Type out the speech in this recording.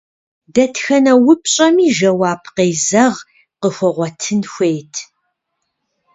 Дэтхэнэ упщӏэми жэуап къезэгъ къыхуэгъуэтын хуейт.